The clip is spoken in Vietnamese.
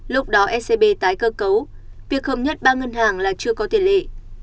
lúc đó scb tái cơ cấu việc hợp nhất ba ngân hàng là chưa có tiền lệ